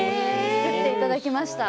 作っていただきました。